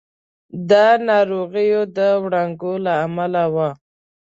دا ناروغي د وړانګو له امله وه.